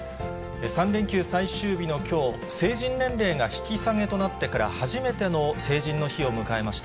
３連休最終日のきょう、成人年齢が引き下げとなってから初めての成人の日を迎えました。